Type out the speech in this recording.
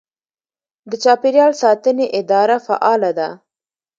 د چاپیریال ساتنې اداره فعاله ده.